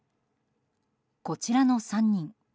こちらの３人。